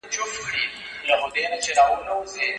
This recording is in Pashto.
اوس د ماشوخېل زاړه خوبونه ریشتیا کېږي